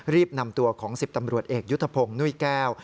รีบนำตัวของ๑๐ตำรวจเอกยุทธพงศ์นุ้ยแก้ว